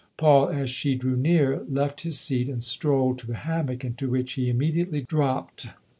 Paul, as she drew near, left his seat and strolled to the hammock, into which he immediately dropped.